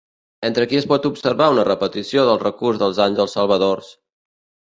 Entre qui es pot observar una repetició del recurs dels àngels salvadors?